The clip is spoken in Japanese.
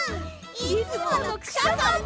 いつものクシャさんだ。